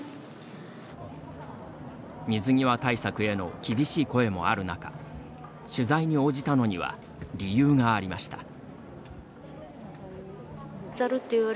水際対策への厳しい声もある中取材に応じたのには理由がありました。